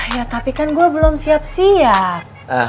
ya tapi kan gua belom siap siap